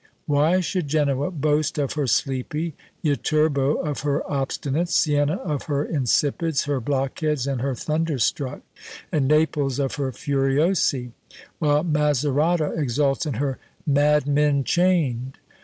Why should Genoa boast of her "Sleepy," Yiterbo of her "Obstinates," Sienna of her "Insipids," her "Blockheads," and her "Thunderstruck;" and Naples of her "Furiosi:" while Macerata exults in her "Madmen chained?"